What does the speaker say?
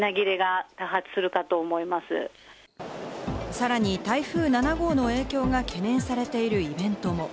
さらに台風７号の影響が懸念されているイベントも。